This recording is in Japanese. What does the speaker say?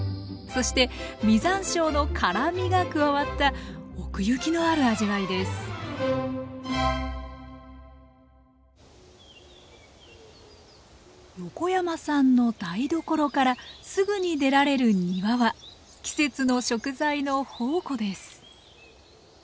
そして実山椒の辛みが加わった奥行きのある味わいです横山さんの台所からすぐに出られる庭は季節の食材の宝庫です